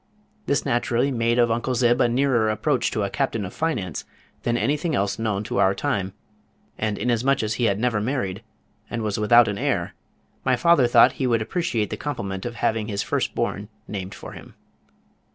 This naturally made of Uncle Zib a nearer approach to a Captain of Finance than anything else known to our time, and inasmuch as he had never married, and was without an heir, my father thought he would appreciate the compliment of having his first born named for him.